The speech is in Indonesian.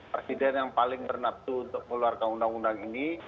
presiden yang paling bernapsu untuk mengeluarkan undang undang ini